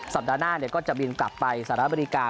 สัปดาห์หน้าก็จะบินกลับไปสหรัฐอเมริกา